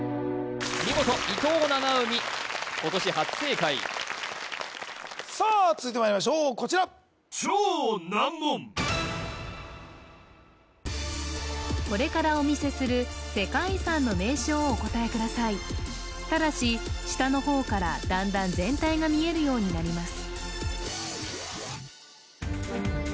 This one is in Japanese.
見事伊藤七海今年初正解さあ続いてまいりましょうこちらこれからお見せする世界遺産の名称をお答えくださいただし下の方からだんだん全体が見えるようになります